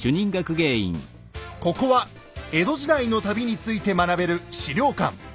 ここは江戸時代の旅について学べる資料館。